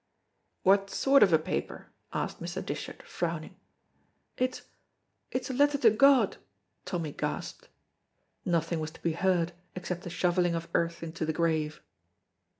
"What sort of a paper?" asked Mr. Dishart, frowning. "It's it's a letter to God," Tommy gasped. Nothing was to be heard except the shovelling of earth into the grave.